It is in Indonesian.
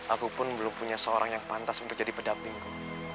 aku pun belum punya seorang yang pantas untuk jadi pendampingku